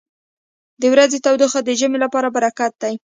• د ورځې تودوخه د ژمي لپاره برکت دی.